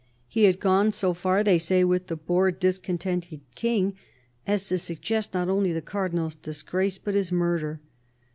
He had gone so far, they say, with the bored, discontented King, as to suggest not only the Cardinal's disgrace, but his murder.